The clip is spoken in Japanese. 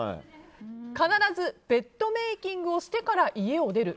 必ずベッドメイキングをしてから家を出る。